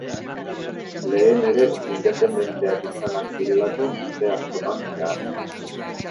Lehen ere independenteak izanak zirelako mende askotan zehar.